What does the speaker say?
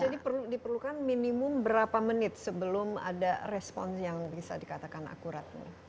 jadi diperlukan minimum berapa menit sebelum ada respon yang bisa dikatakan akurat